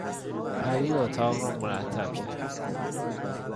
پری اتاق را مرتب کرد.